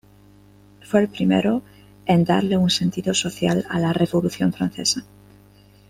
Fue el primero en darle un sentido social a la Revolución francesa.